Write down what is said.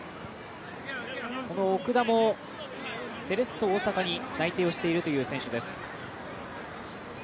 この奥田も、セレッソ大阪に内定しているという選手です。